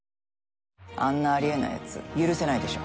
あんなあり得ないやつ許せないでしょ。